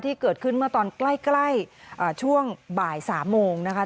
ที่เกิดขึ้นเมื่อตอนใกล้ใกล้อ่าช่วงบ่ายสามโมงนะคะ